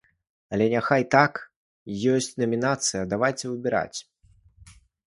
Але няхай так, ёсць намінацыя давайце выбіраць.